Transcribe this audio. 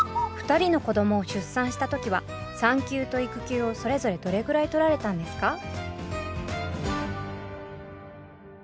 ２人の子どもを出産した時は産休と育休をそれぞれどれぐらいとられたんですか？